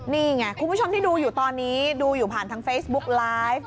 นี่ไงคุณผู้ชมที่ดูอยู่ตอนนี้ดูอยู่ผ่านทางเฟซบุ๊กไลฟ์